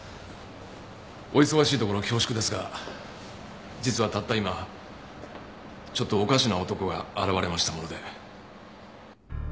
お忙しいところ恐縮ですが実はたった今ちょっとおかしな男が現れましたもので。